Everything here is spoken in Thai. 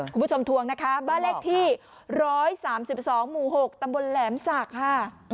คุณผู้ชมทวงนะคะบ้านเลขที่๑๓๒หมู่๖ตำบลแหลมศักดิ์ค่ะ